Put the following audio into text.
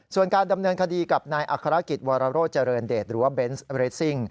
ส่วนการดำเนินคดีกับนายอัครกิจวรโรเจริญเดชหรือว่าเบนส์เรสซิ่ง